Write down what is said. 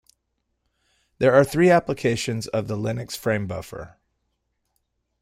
There are three applications of the Linux framebuffer.